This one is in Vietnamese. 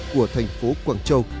của thành phố quảng châu